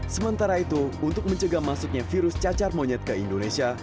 sementara itu untuk mencegah masuknya virus cacar monyet ke indonesia